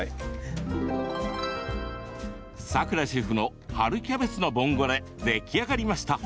さくらシェフの春キャベツのボンゴレ出来上がりました。